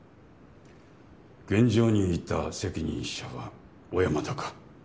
現場にいた責任者は小山田か。